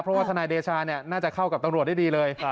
เพราะว่าทนายเดชาน่าจะเข้ากับตำรวจได้ดีเลย